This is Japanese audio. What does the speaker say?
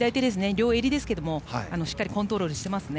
両襟ですけど、しっかりコントロールしていますね。